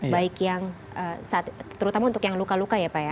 baik yang terutama untuk yang luka luka ya pak ya